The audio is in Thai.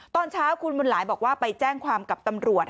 ตอนเช้าคุณบุญหลายบอกว่าไปแจ้งความกับตำรวจ